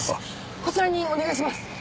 こちらにお願いします！